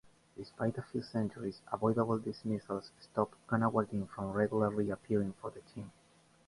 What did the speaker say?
Despite a few centuries, avoidable dismissals stopped Gunawardene from regularly appearing for the team.